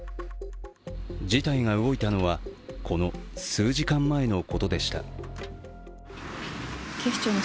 事態が動いたのは、この数時間前のことでした。